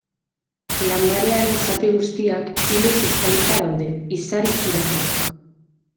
Landarearen zati guztiak ilez estalita daude, izar itxurakoak.